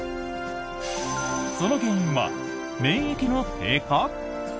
その原因は免疫の低下？